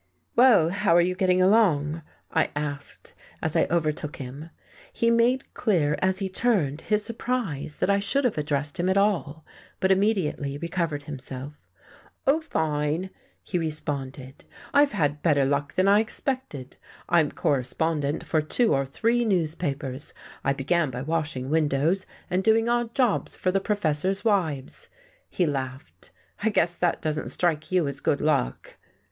"Well, how are you getting along?" I asked, as I overtook him. He made clear, as he turned, his surprise that I should have addressed him at all, but immediately recovered himself. "Oh, fine," he responded. "I've had better luck than I expected. I'm correspondent for two or three newspapers. I began by washing windows, and doing odd jobs for the professors' wives." He laughed. "I guess that doesn't strike you as good luck."